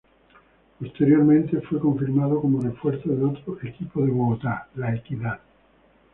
Posteriormente, fue confirmado como refuerzo de otro equipo de Bogotá, La Equidad.